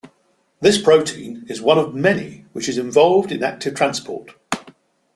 This protein is one of many which is involved in active transport.